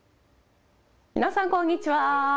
皆さん、こんにちは。